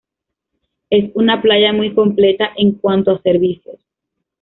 Es una playa muy completa en cuanto a servicios.